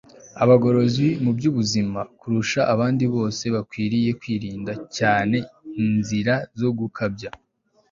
abagorozi mu by'ubuzima, kurusha abandi bose, bakwiriye kwirinda cyane inzira zo gukabya